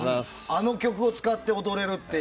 あの曲を使って踊れるって。